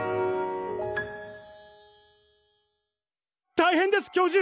大変です教授！